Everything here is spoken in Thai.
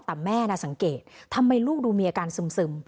แต่แม่น่ะสังเกตทำไมลูกดูมีอาการซึม